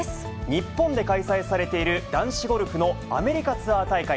日本で開催されている男子ゴルフのアメリカツアー大会。